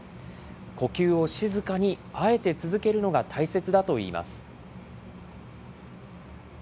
呼吸を静かに、あえて続けるのが大切だといいます。